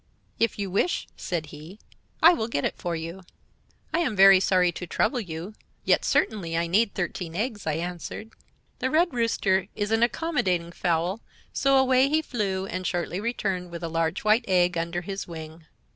"'If you wish,' said he, 'I will get it for you.' "'I am very sorry to trouble you, yet certainly I need thirteen eggs,' I answered. "The Red Rooster is an accommodating fowl, so away he flew, and shortly returned with a large white egg under his wing.